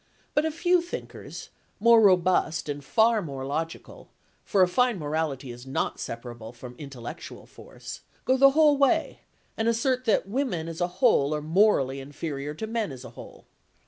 But a few thinkers, more robust and far more logical (for a fine morality is not separable from intellectual force) go the whole way and assert that women as a whole are morally inferior to men as a whole.